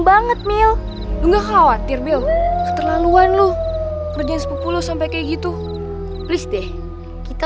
banget mil nggak khawatir bil keterlaluan lu kerja sepupu lo sampai kayak gitu riz deh kita